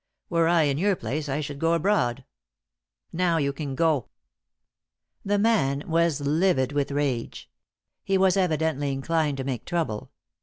Were I in your place I should go abroad. Now you can go." The man was livid with rage. He was evidently inclined to make trouble.